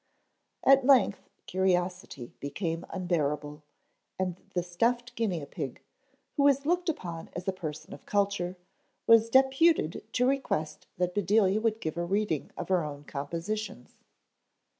At length curiosity became unbearable, and the stuffed guinea pig who was looked upon as a person of culture, was deputed to request that Bedelia would give a reading of her own compositions.